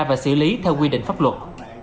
và xử lý theo quy định pháp luật